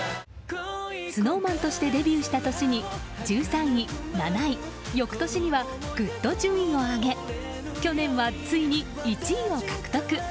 ＳｎｏｗＭａｎとしてデビューした年に１３位、７位翌年には、ぐっと順位を上げ去年は、ついに１位を獲得。